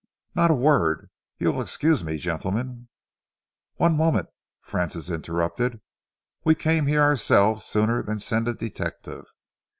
"Not a word. You'll excuse me, gentlemen " "One moment," Francis interrupted. "We came here ourselves sooner than send a detective.